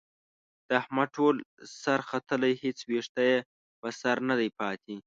د احمد ټول سر ختلی، هېڅ وېښته یې په سر ندی پاتې.